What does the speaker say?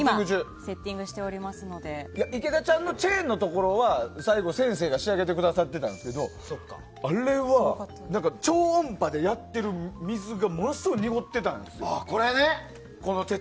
池田ちゃんのチェーンのところは最後、先生が仕上げてくださってたんやけどあれは超音波でやってる水がものすごい濁っていたんですよ。